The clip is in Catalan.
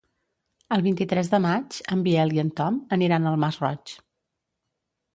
El vint-i-tres de maig en Biel i en Tom aniran al Masroig.